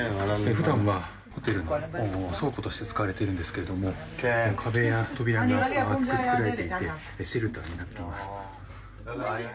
普段はホテルの倉庫として使われているんですけれども壁や扉が分厚く作られていてシェルターになっています。